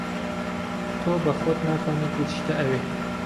تۆ بە خۆت ناتوانیت بچیتە ئەوێ.